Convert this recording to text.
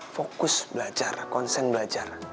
bagus belajar konsen belajar